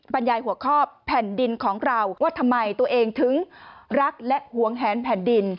บรรยายหัวข้อแผ่นดินของเราว่าทำไมตัวเองถึงรักและหวงแหนแผ่นดิน